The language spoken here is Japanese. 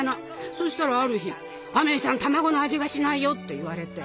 そしたらある日「アメイさん卵の味がしないよ」って言われて。